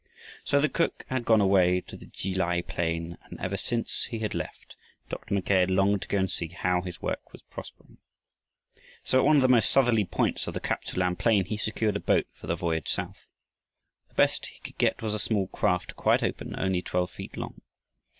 So the cook had gone away to the Ki lai plain, and, ever since he had left, Dr. Mackay had longed to go and see how his work was prospering. So at one of the most southerly points of the Kap tsu lan plain he secured a boat for the voyage south. The best he could get was a small craft quite open, only twelve feet long.